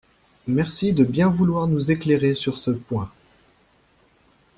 Merci de bien vouloir nous éclairer sur ce point.